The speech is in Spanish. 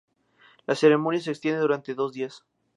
La ceremonia se extiende durante dos días.